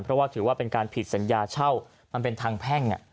เพราะว่าถือว่าเป็นการผิดสัญญาเช่ามันเป็นทางแพ่ง